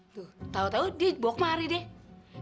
tuh tau tau dia bawa kemari deh